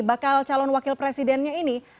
bakal calon wakil presidennya ini